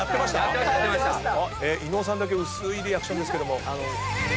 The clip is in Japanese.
伊野尾さんだけ薄ーいリアクションですけども。